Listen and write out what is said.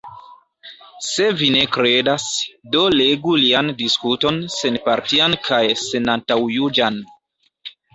Se vi ne kredas, do legu lian diskuton senpartian kaj senantaŭjuĝan.